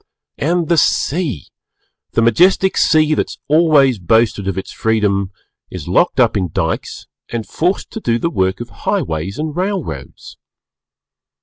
And the Sea! The majestic Sea, that has always boasted of its freedom, is locked up in Dykes and forced to do the work of highways and railroads.